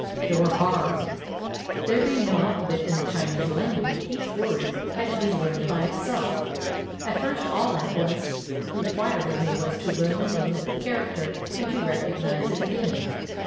they were hard. There being no alphabet in the Chinese language, each word had to be learned by itself. At first all that was re quired of me was to learn the name of the character and to recognize it again.